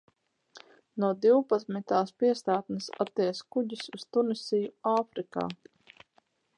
No divpadsmitās piestātnes aties kuģis uz Tunisiju Āfrikā.